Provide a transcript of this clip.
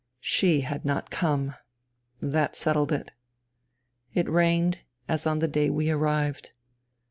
She had not come. That settled it. It rained, as on the day we arrived.